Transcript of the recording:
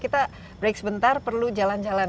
kita break sebentar perlu jalan jalan